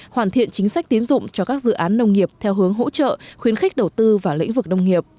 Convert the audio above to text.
hoàn thiện chính sách tiến dụng cho các dự án nông nghiệp theo hướng hỗ trợ khuyến khích đầu tư vào lĩnh vực nông nghiệp